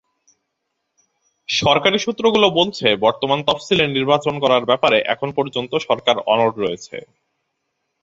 সরকারি সূত্রগুলো বলছে, বর্তমান তফসিলে নির্বাচন করার ব্যাপারে এখন পর্যন্ত সরকার অনড় রয়েছে।